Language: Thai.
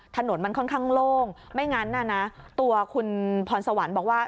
ถนนมันค่อนข้างโล่งไม่งั้นน่ะนะตัวคุณพรสวรรค์บอกว่า